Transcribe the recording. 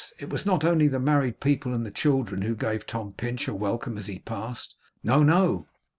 It was not only the married people and the children who gave Tom Pinch a welcome as he passed. No, no.